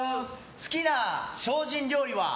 好きな精進料理は。